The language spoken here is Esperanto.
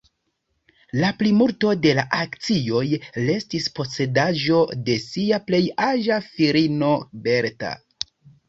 La plimulto de la akcioj restis posedaĵo de sia plej aĝa filino Bertha.